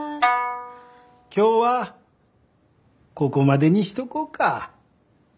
今日はここまでにしとこうか。